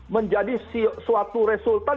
menjadi suatu resulten